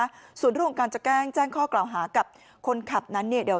ส่วนเรื่องของการจะแจ้งแจ้งข้อกล่าวหากับคนขับนั้นเนี่ยเดี๋ยว